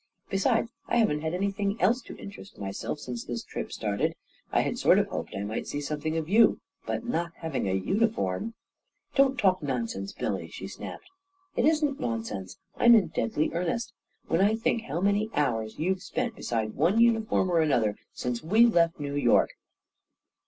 Besides, I haven't had any thing else to interest myself in since this trip started. I had sort of hoped I might see something of you ; but not having a uniform ..."" Don't talk nonsense, Billy 1 " she snapped. " It isn't nonsense. I'm in deadly earnest. When I think how many hours you've spent be side one uniform or another since we left New York